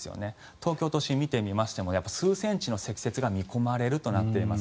東京都心を見てみましても数センチの積雪が見込まれるとなっています。